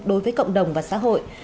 đối với cộng đồng và xã hội